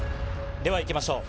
ではいきましょう。